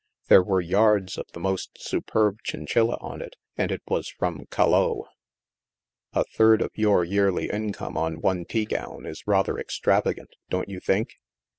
There were yards of the most superb chin chilla on it, and it was from Callot. A third of your yearly income on one tea gown is rather ex travagant, don't you think?"